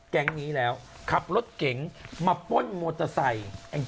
แก๊งนี้แล้วขับรถเก๋งมาป้นมอเตอร์ไซค์